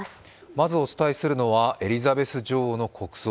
まずお伝えするのはエリザベス女王の国葬。